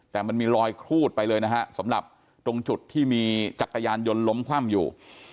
แต่มันมีรอยครูดไปเลยนะฮะสำหรับตรงจุดที่มีจักรยานยนต์ล้มคว่ำอยู่